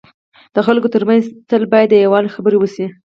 د خلکو ترمنځ تل باید د یووالي خبري وسي.